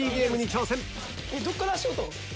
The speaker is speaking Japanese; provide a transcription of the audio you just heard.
どっから足音？